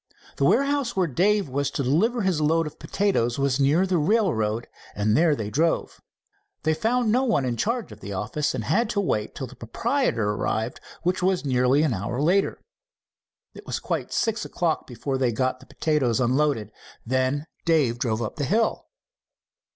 The warehouse where Dave was to deliver his load of potatoes was near the railroad, and there they drove. They found no one in charge of the office, and had to wait till the proprietor arrived, which was nearly an hour later. It was quite six o'clock before they got the potatoes unloaded. Then Dave drove up the hill.